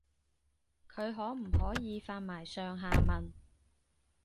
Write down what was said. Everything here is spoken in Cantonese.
佢可唔可以發埋上下文